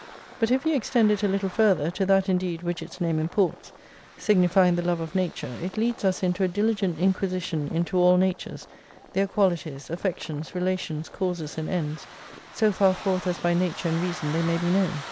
But if you 192 extend it a little further, to that indeed which its name imports, signifying the love of nature, it leads us into a diligent inquisition into all natures, their qualities, affections, relations, causes and ends, so far forth as by nature and reason they may be known.